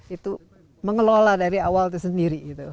itu mengelola dari awal itu sendiri